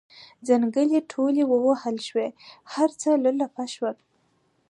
ځنګلې ټولې ووهل شوې هر څه لولپه شول.